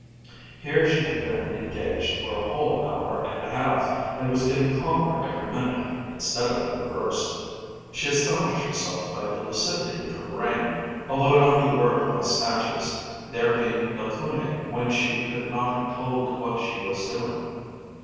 Here she had been engaged for a whole hour and a half, and was getting calmer every minute, instead of the reverse. She astonished herself by the lucidity of her brain, although it only worked by snatches there being lacunae when she could not have told what she was doing.